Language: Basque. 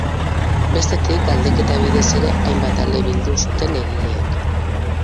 Bestetik, galdeketa bidez ere hainbat ale bildu zuten egileek.